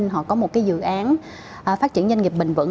họ có một cái dự án phát triển doanh nghiệp bình vẩn